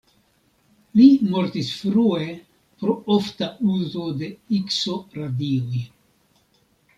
Li mortis frue pro ofta uzo de Ikso-radioj.